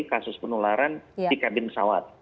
kasus penularan di kabin pesawat